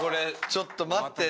ちょっと待って。